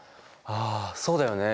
あそうだよね。